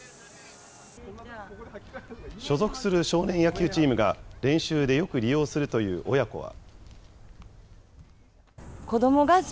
所属する少年野球チームが練習でよく利用するという親子は。